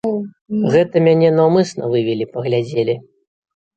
Гэта мяне наўмысна вывелі, паглядзелі.